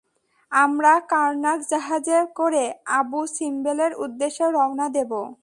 আমরা কার্নাক জাহাজে করে আবু সিম্বেলের উদ্দেশ্যে রওনা দেব।